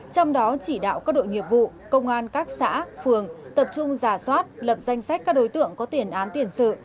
trong đó chỉ đạo các đội nghiệp vụ công an các xã phường tập trung giả soát lập danh sách các đối tượng có tiền án tiền sự